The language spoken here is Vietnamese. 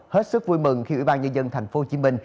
hết sức vui mừng khi ủy ban nhân dân tp hcm